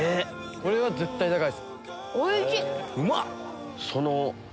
これは絶対高いっす。